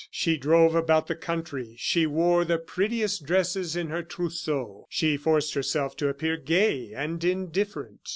She drove about the country; she wore the prettiest dresses in her trousseau; she forced herself to appear gay and indifferent.